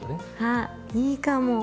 あいいかも。